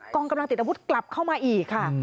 องกำลังติดอาวุธกลับเข้ามาอีกค่ะ